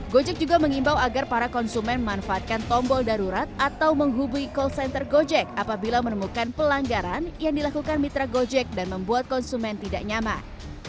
gojek juga mengimbau agar para konsumen memanfaatkan tombol darurat atau menghubungi call center gojek apabila menemukan pelanggaran yang dilakukan mitra gojek dan membuat konsumen tidak nyaman